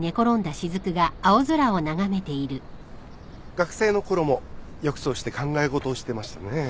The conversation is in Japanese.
・学生の頃もよくそうして考え事をしてましたね。